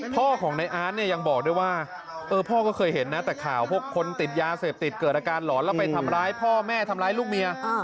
พ่อของในอาร์ตเนี่ยยังบอกด้วยว่าพ่อก็เคยเห็นนะแต่ข่าวพวกคนติดยาเสพติดเกิดอาการหลอนแล้วไปทำร้ายพ่อแม่ทำร้ายลูกเมีย